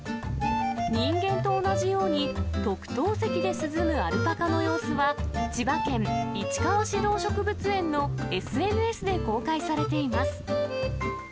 人間と同じように、特等席で涼むアルパカの様子は、千葉県市川市動植物園のＳＮＳで公開されています。